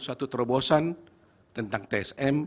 suatu terobosan tentang tsm